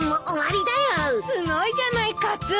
すごいじゃないカツオ。